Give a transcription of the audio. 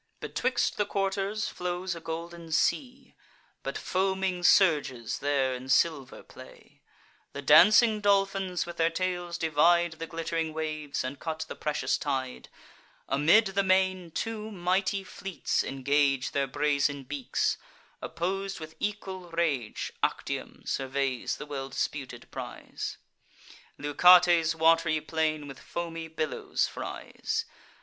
Betwixt the quarters flows a golden sea; But foaming surges there in silver play. The dancing dolphins with their tails divide The glitt'ring waves, and cut the precious tide. Amid the main, two mighty fleets engage Their brazen beaks, oppos'd with equal rage. Actium surveys the well disputed prize; Leucate's wat'ry plain with foamy billows fries.